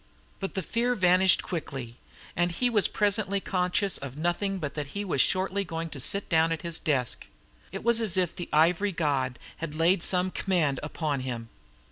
But the fear vanished quickly; and he was presently conscious of nothing but that he was shortly going to sit down at his desk. It was as if the ivory god had laid some command upon him.